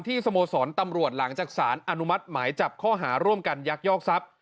สโมสรตำรวจหลังจากสารอนุมัติหมายจับข้อหาร่วมกันยักยอกทรัพย์